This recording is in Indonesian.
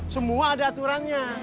semua ada aturannya